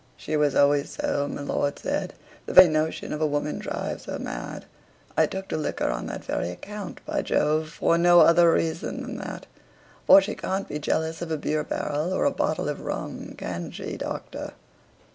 "She was always so," my lord said; "the very notion of a woman drives her mad. I took to liquor on that very account, by Jove, for no other reason than that; for she can't be jealous of a beer barrel or a bottle of rum, can she, Doctor?